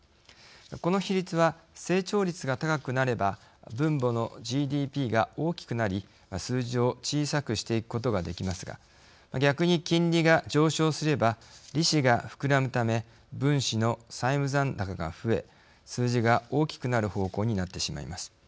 この比率は成長率が高くなれば分母のＧＤＰが大きくなり数字を小さくしていくことができますが逆に金利が上昇すれば利子が膨らむため分子の債務残高が増え数字が大きくなる方向になってしまいます。